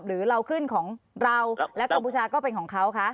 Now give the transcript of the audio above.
หรือเราขึ้นของเราและกัมพูชาก็เป็นของเขาคะ